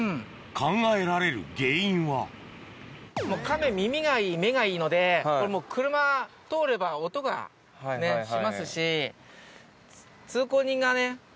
考えられる原因はカメ耳がいい目がいいので車通れば音がねしますし通行人がね